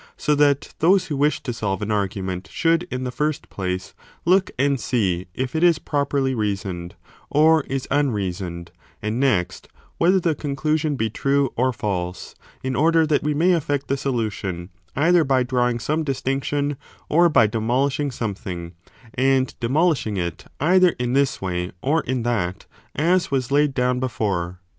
So that those who wish to solve an argument should in the first place look and see if it is properly reasoned, or is unreasoned ; and next, whether the conclusion be true or false, in order that we may effect the solution either by drawing some distinction or by demolishing something, and 5 demolishing it either in this way or in that, as was laid down before.